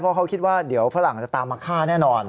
เพราะเขาคิดว่าเดี๋ยวฝรั่งจะตามมาฆ่าแน่นอน